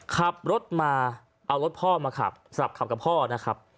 ขับรถมาเอารถพ่อมาขับสลับขับกับพ่อนะครับ